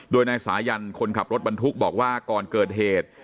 โดยนายสายันคนขับรถบรรทุกบอกว่าก่อนเกิดเหตุ